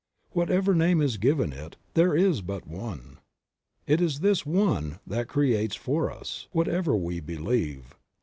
Whatever name is given it there is but One. It is this One that creates for us, what ever we believe.